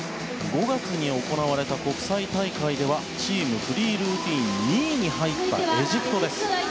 ５月に行われた国際大会ではチームフリールーティンで２位に入ったエジプト。